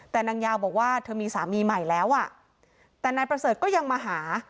แต่นางยาวบอกว่าเธอมีสามีใหม่แล้วอ่ะแต่นายประเสริฐก็ยังมาหา